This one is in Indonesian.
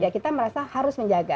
kita merasa harus menjaga